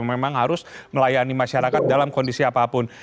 memang harus melayani masyarakat dalam kondisi apapun